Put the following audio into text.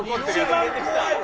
一番怖いわ！